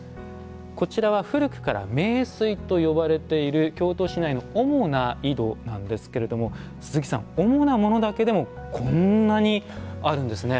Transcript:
こちらは古くから名水と呼ばれている京都市内の主な井戸なんですけれども鈴木さん、主なものだけでもこんなにあるんですね。